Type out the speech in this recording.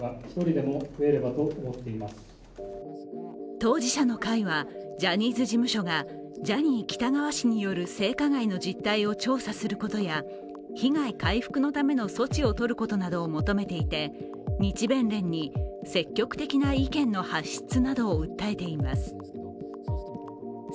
当事者の会は、ジャニーズ事務所がジャニー喜多川氏による性加害の実態を調査することや被害回復のための措置をとることなどを求めていてハロー「生茶」家では淹れられないお茶のおいしさ